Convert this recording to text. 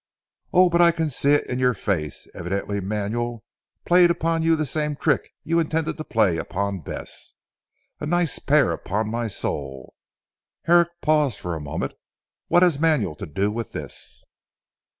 "Oh, but I can see it it your face. Evidently Manuel played upon you the same trick you intended to play upon Bess. A nice pair, upon my soul!" Herrick paused for a moment. "What has Manuel to do with this?"